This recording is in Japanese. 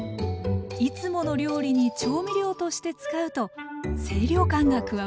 いつもの料理に調味料として使うと清涼感が加わります